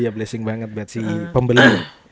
iya blessing banget si pembeli